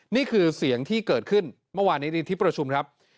นี่คือเสียงที่เกิดขึ้นเมื่อวานนี้ในที่ประชุมครับ